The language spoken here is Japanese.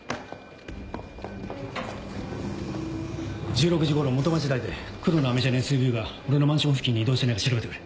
・１６時頃元町台で黒のアメ車のＳＵＶが俺のマンション付近に移動してないか調べてくれ。